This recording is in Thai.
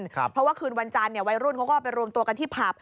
เพราะว่าคืนวันจันทร์วัยรุ่นเขาก็ไปรวมตัวกันที่ผับ